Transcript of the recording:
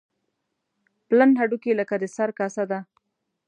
پلن هډوکي لکه د سر کاسه ده.